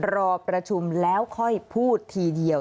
รอประชุมแล้วค่อยพูดทีเดียว